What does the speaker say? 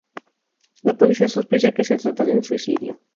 La policía sospecha que se trata de un suicidio.